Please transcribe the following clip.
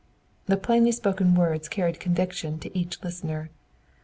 The plainly spoken words carried conviction to each listener.